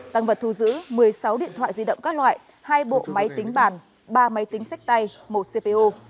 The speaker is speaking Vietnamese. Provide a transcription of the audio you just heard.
tăng vật thu giữ một mươi sáu điện thoại di động các loại hai bộ máy tính bàn ba máy tính sách tay một cpo